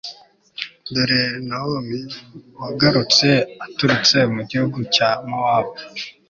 dore nawomi wagarutse aturutse mu gihugu cya mowabu